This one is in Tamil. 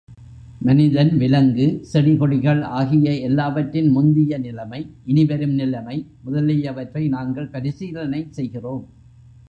மனிதன், விலங்கு, செடி கொடிகள் ஆகிய எல்லாவற்றின் முந்திய நிலைமை, இனிவரும் நிலைமை முதலியவற்றை நாங்கள் பரிசீலனை செய்கிறோம்.